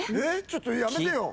ちょっとやめてよ。